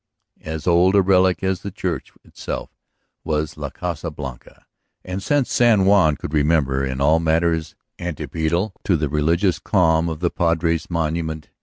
As old a relic as the church itself was La Casa Blanca, and since San Juan could remember, in all matters antipodal to the religious calm of the padres' monument.